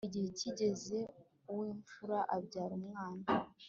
igihe kigeze uw imfura abyara umwana